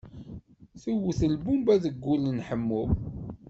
Tewwet lbumba deg wul n Ḥemmu.